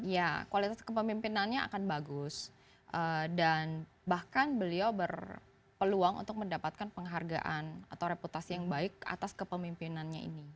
ya kualitas kepemimpinannya akan bagus dan bahkan beliau berpeluang untuk mendapatkan penghargaan atau reputasi yang baik atas kepemimpinannya ini